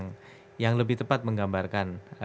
nah itu yang lebih tepat menggambarkan